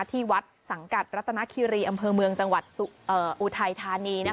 ที่วัดสังกัดรัตนาคีรีอำเภอเมืองจังหวัดอุทัยธานี